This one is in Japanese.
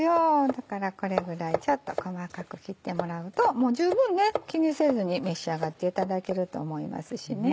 だからこれぐらいちょっと細かく切ってもらうともう十分気にせずに召し上がっていただけると思います。